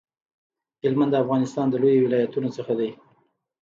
هلمند د افغانستان د لویو ولایتونو څخه دی